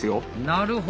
なるほど。